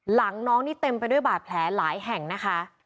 หลังน้องนี่เต็มไปด้วยบาดแผลหลายแห่งนะคะ